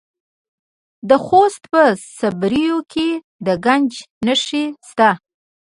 د خوست په صبریو کې د ګچ نښې شته.